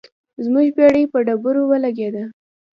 زموږ بیړۍ په ډبرو ولګیده.